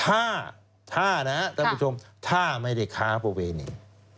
ถ้าถ้านะท่านผู้ชมถ้าไม่ได้ค้าประเวณี